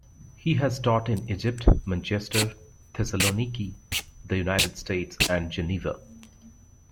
He has taught in Egypt, Manchester, Thessaloniki, the United States, and Geneva.